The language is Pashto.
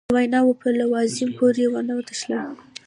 د ویناوو په لوازمو پورې ونه نښلم.